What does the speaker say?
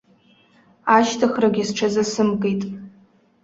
Ашьҭыхрагьы сҽазысымкит.